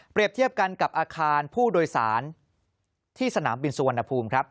เทียบกันกับอาคารผู้โดยสารที่สนามบินสุวรรณภูมิครับ